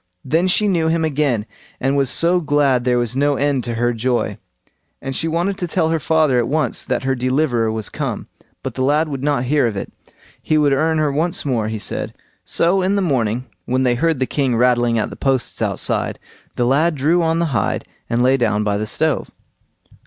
Then she knew him again, and was so glad there was no end to her joy, and she wanted to tell her father at once that her deliverer was come. But the lad would not hear of it; he would earn her once more, he said. So in the morning when they heard the king rattling at the posts outside, the lad drew on the hide, and lay down by the stove.